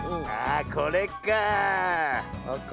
あこれかあ。